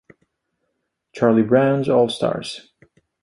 Charlie Brown's All Stars!